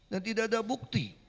dan tidak ada bukti